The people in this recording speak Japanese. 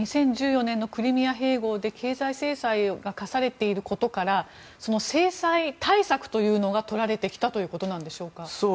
２０１４年のクリミア併合で経済制裁が課されていることからその制裁対策というのがとられてきたということなんでしょうか。